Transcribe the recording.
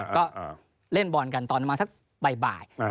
ก็เล่นบอลกันตอนประมาณสักบ่าย